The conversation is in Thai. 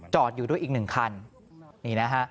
จอดอยู่ด้วยอีกหนึ่งคัน